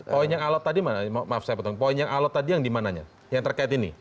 poin yang alat tadi mana maaf saya potong poin yang alat tadi yang dimananya yang terkait ini